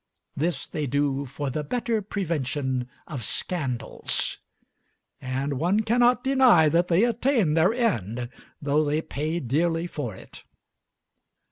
This they do for the "better prevention of scandals"; and one cannot deny that they attain their end, though they pay dearly for it.